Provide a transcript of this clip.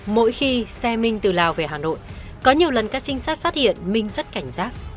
mỗi khi xe minh từ lào về hà nội có nhiều lần các trinh sát phát hiện minh rất cảnh giác